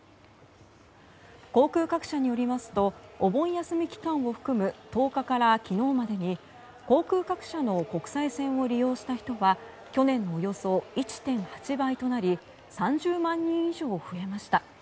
航空各社によりますとお盆休み期間を含む１０日から昨日までに航空各社の国際線を利用した人は去年のおよそ１．８倍となり３０万人以上増えました。